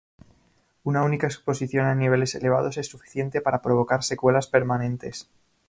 Una única exposición a niveles elevados es suficiente para provocar secuelas permanentes.